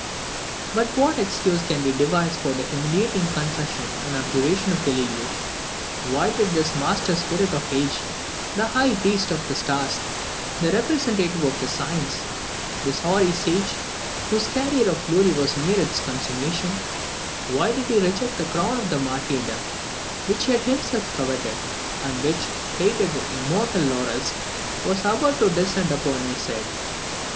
But what excuse can we devise for the humiliating confession and abjuration of Galileo? Why did this master spirit of the age this high priest of the stars this representative of science this hoary sage, whose career of glory was near its consummation why did he reject the crown of martyrdom which he had himself coveted, and which, plaited with immortal laurels, was about to descend upon his head?